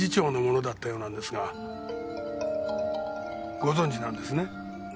ご存じなんですね？